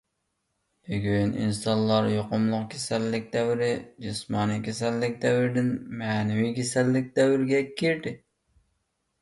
بۈگۈن ئىنسانلار يۇقۇملۇق كېسەللىك دەۋرى، جىسمانىي كېسەللىك دەۋرىدىن مەنىۋى كېسەللىك دەۋرىگە كىردى.